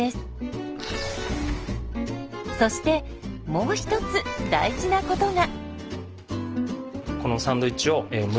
そしてもう一つ大事なことが。